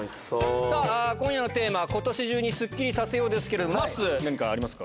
今夜のテーマは、今年中にスッキリさせようですけど、まっすー、何かありますか？